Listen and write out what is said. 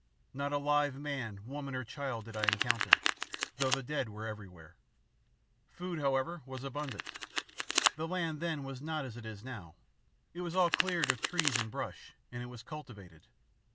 Not a live man, woman, or child, did I encounter, though the dead were everywhere. Food, however, was abundant. The land then was not as it is now. It was all cleared of trees and brush, and it was cultivated.